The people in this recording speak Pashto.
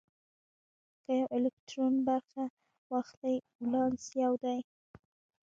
که یو الکترون برخه واخلي ولانس یو دی.